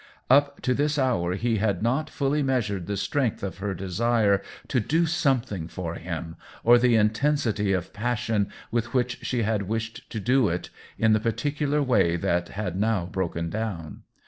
Up to this hour he had not fully measured the strength of THE WHEEL OF TIME 95 her desire to do something for him, or the intensity of passion with which she had' wished to do it in the particular way that had now broken down.